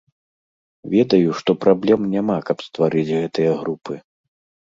Ведаю, што праблем няма, каб стварыць гэтыя групы.